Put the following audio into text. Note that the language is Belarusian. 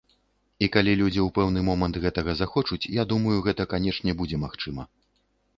І калі людзі ў пэўны момант гэтага захочуць, я думаю, гэта, канечне, будзе магчыма.